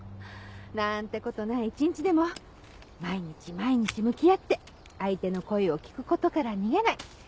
何てことない一日でも毎日毎日向き合って相手の声を聞くことから逃げない。